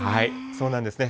そうなんですね。